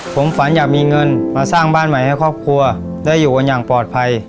ผมฝันอยากมีเงินมาสร้างบ้านใหม่ให้ครอบครัวได้อยู่กันอย่างปลอดภัย